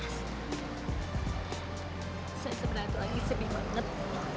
saya sebenarnya itu lagi sedih banget